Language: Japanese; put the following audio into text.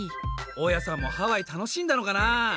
オオヤさんもハワイ楽しんだのかなあ。